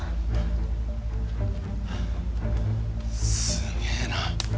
すげえな。